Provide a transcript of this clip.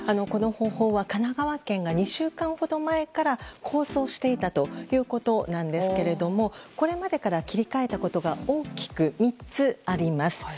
この方法は神奈川県が２週間ほど前から構想していたということなんですがこれまでから切り替えたことが大きく３つあります。